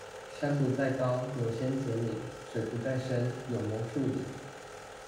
山不在高，有仙則名。水不在深，有魔術靈